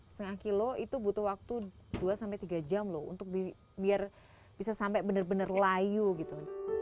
setengah kilo itu butuh waktu dua sampai tiga jam loh untuk biar bisa sampai benar benar layu gitu